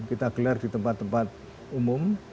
kita gelar di tempat tempat umum